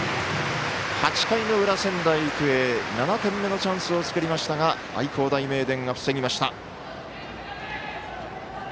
８回裏、仙台育英７点目のチャンスを作りましたが愛工大名電が防ぎました。